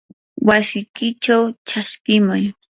wasikichaw chaskimay.